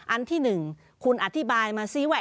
อันที่๑คุณอธิบายมาซิว่า